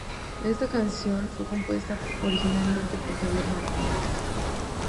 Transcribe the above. Esta canción fue compuesta originalmente por Javier Martinez.